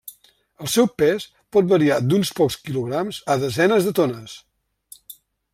El seu pes pot variar d'uns pocs quilograms a desenes de tones.